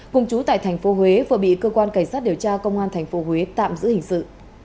cùng chú tại thành phố huế vừa bị cơ quan cảnh sát điều tra công an thành phố huế tạm giữ hình sự